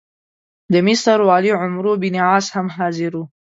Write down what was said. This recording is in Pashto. د مصر والي عمروبن عاص هم حاضر وو.